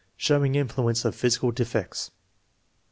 Showing influence of physical defects.